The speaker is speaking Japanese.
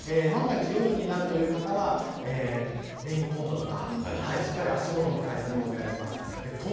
万が一夜になるという方はレインコートとかしっかり足元の対策をお願いします。